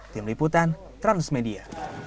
tim liputan transmedia